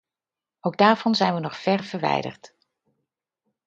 Ook daarvan zijn we nog ver verwijderd.